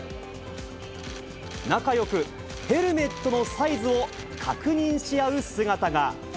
仲よくヘルメットのサイズを確認し合う姿が。